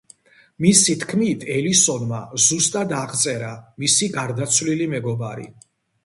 მისი თქმით ელისონმა ზუსტად აღწერა მისი გარდაცვლილი მეგობარი.